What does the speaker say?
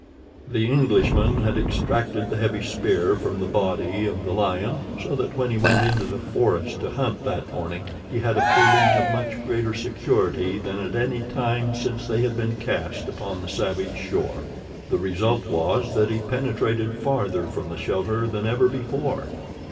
The Englishman had extracted the heavy spear from the body of the lion, so that when he went into the forest to hunt that morning he had a feeling of much greater security than at any time since they had been cast upon the savage shore. The result was that he penetrated farther from the shelter than ever before.